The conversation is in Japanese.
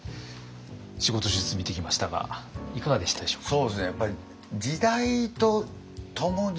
仕事術見てきましたがいかがでしたでしょうか？